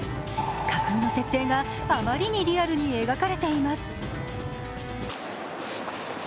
架空の設定があまりにリアルに描かれています。